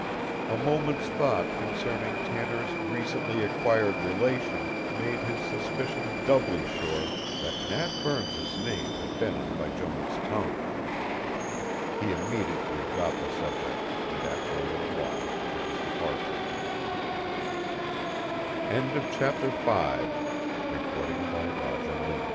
A moment's thought concerning Tanner's recently acquired relation made his suspicion doubly sure that Nat Burns's name had been on Bijonah's tongue. He immediately dropped the subject and after a little while took his departure. CHAPTER VI THE ISLAND DECIDES In Freekirk Head, next morning, painted